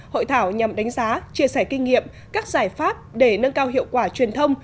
hội thảo nhằm đánh giá chia sẻ kinh nghiệm các giải pháp để nâng cao hiệu quả truyền thông